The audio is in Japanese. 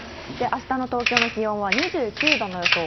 あしたの東京の気温は２９度の予想。